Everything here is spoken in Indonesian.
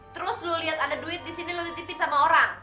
terus lu liat ada duit di sini lu titipin sama orang